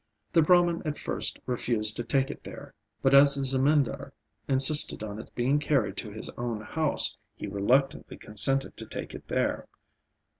The Brahman at first refused to take it there; but as the Zemindar insisted on its being carried to his own house, he reluctantly consented to take it there.